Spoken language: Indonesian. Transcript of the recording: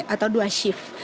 atau dua kali